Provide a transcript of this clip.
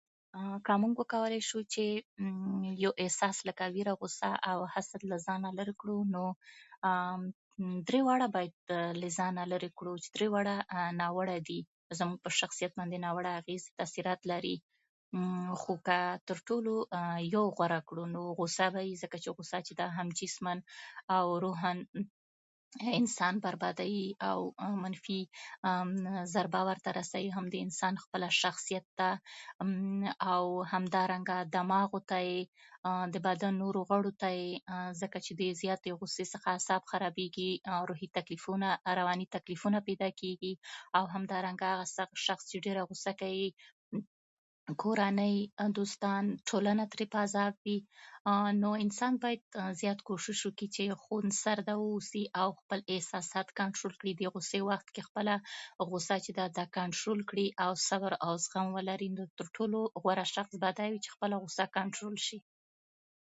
که دا لاره سمه وي، نو ولې ناسمه ښکاري، او که ناسمه وي، نو ولې ځينې خلک پرې ځي؟